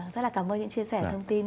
rất là cảm ơn những chia sẻ thông tin